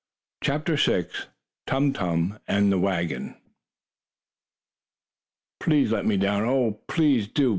CHAPTER VI TUM TUM AND THE WAGON "Please let me down! Oh, please do!"